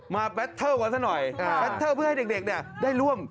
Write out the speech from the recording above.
มาแบตเตอร์ก่อนสักหน่อยแบตเตอร์เพื่อให้เด็กได้ร่วม